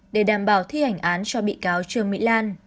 để đảm bảo thi hành án cho bị cáo trương mỹ lan